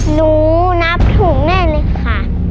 หนูนับถูกแน่เลยค่ะ